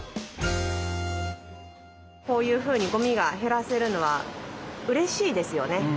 こういうふうにゴミが減らせるのはうれしいですよね。